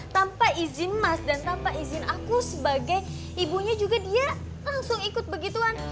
tanpa izin mas dan tanpa izin aku sebagai ibunya juga dia langsung ikut begituan